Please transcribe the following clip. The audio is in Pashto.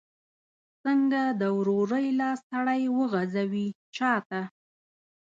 څنګه د ورورۍ لاس سړی وغځوي چاته؟